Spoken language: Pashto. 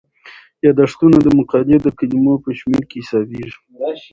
یادښتونه د مقالې د کلمو په شمیر کې حسابيږي.